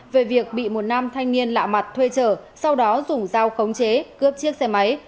về việc bị một nam thanh niên lạ mặt thuê trở sau đó dùng dao khống chế cướp chiếc xe máy